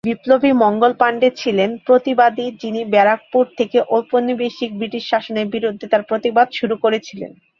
বিপ্লবী মঙ্গল পাণ্ডে ছিলেন প্রথম প্রতিবাদী, যিনি ব্যারাকপুর থেকে ঔপনিবেশিক ব্রিটিশ শাসনের বিরুদ্ধে তার প্রতিবাদ শুরু করেছিলেন।